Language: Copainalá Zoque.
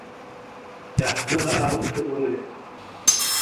Yajkmäjaʼajuʼt teʼ ʼune.